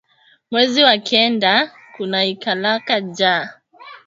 Mwezi wa kenda kunaikalaka njala